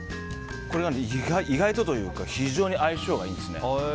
これが意外とというか非常に相性がいんですね。